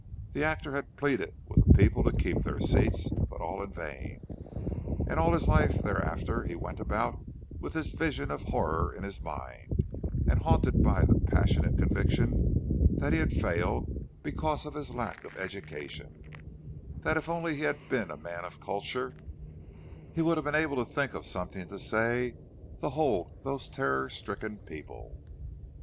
The actor had pleaded with the people to keep their seats, but all in vain; and all his life thereafter he went about with this vision of horror in his mind, and haunted by the passionate conviction that he had failed because of his lack of education—that if only he had been a man of culture, he would have been able to think of something to say to hold those terror stricken people!